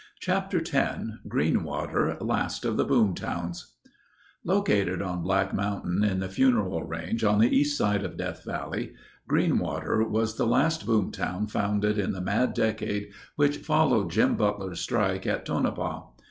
Chapter X Greenwater—Last of the Boom Towns Located on Black Mountain in the Funeral Range on the east side of Death Valley, Greenwater was the last boom town founded in the mad decade which followed Jim Butler's strike at Tonopah.